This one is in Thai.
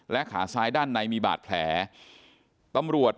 แล้วก็ช่วยกันนำนายธีรวรรษส่งโรงพยาบาล